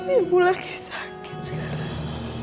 ibu lagi sakit sekarang